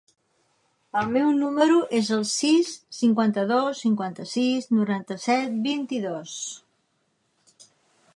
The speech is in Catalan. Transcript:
El meu número es el sis, cinquanta-dos, cinquanta-sis, noranta-set, vint-i-dos.